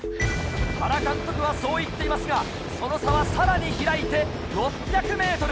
原監督はそう言っていますがその差はさらに開いて６００ｍ。